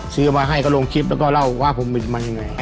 ซื้อมาให้ก็ลงคลิปแล้วก็เล่าว่าผมบิดมันยังไง